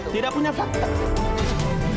tidak punya fakta